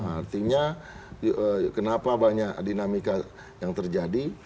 artinya kenapa banyak dinamika yang terjadi